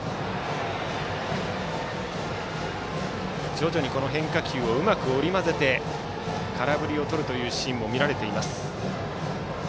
徐々に変化球をうまく織り交ぜて空振りをとるシーンも見られています。